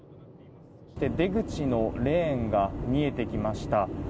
出口のレーンが見えてきました。